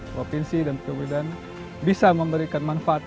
provinsi dan kabupaten bisa memberikan manfaat